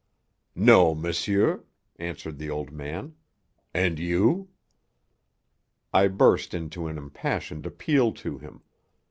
"No, monsieur," answered the old man. "And you?" I burst into an impassioned appeal to him.